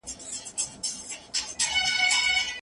خپلي خچۍ او منځوۍ ګوتو ته ئې اشاره وکړه.